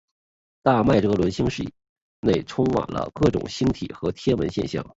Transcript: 大麦哲伦星系内充满了各种星体和天文现象。